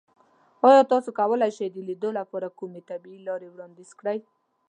ایا تاسو کولی شئ د لیدو لپاره کومې طبیعي لارې وړاندیز کړئ؟